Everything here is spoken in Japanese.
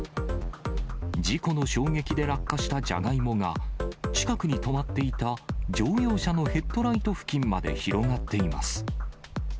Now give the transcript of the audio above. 事故の衝撃で落下したじゃがいもが、近くに止まっていた乗用車のヘッドライト付近まで広がっています。